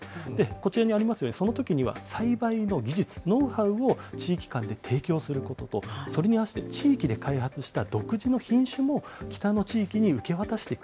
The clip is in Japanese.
こちらにありますように、そのときには栽培の技術、ノウハウも地域間で提供することと、それに合わせて地域で開発した独自の品種も北の地域に受け渡していく。